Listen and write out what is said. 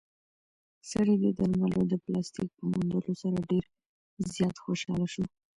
سړی د درملو د پلاستیک په موندلو سره ډېر زیات خوشحاله شو.